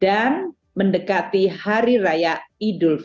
dan mendekati hari raya idul fitri telah mengalokasikan di dalam apbn